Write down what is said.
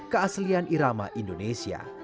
keaslian irama indonesia